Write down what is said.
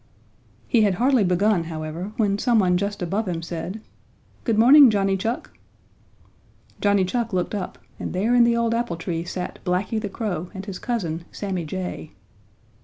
He had hardly begun, however, when some one just above him said: "Good morning, Johnny Chuck." Johnny Chuck looked up and there in the old apple tree sat Blacky the Crow and his cousin, Sammy Jay.